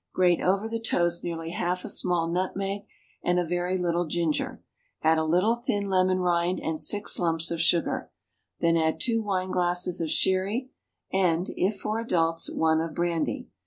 Grate over the toast nearly half a small nutmeg, and a very little ginger. Add a little thin lemon rind, and six lumps of sugar. Then add two wine glasses of sherry, and (if for adults) one of brandy.